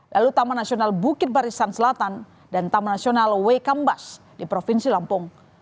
lalu taman nasional bukit barisan selatan dan taman nasional wekambas di provinsi lampung